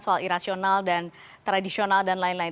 soal irasional dan tradisional dan lain lain